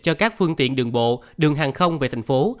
cho các phương tiện đường bộ đường hàng không về thành phố